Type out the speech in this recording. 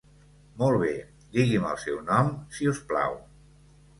Molt bé, digui'm el seu nom si us plau.